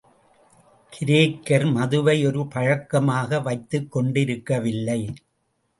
கிரேக்கர் மதுவை ஒரு பழக்கமாக வைத்துக்கொண்டிருக்கவில்லை.